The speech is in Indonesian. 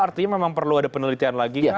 artinya memang perlu ada penelitian lagi